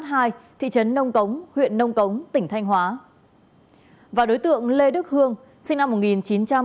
thị trấn nông cống huyện nông cống tỉnh thanh hóa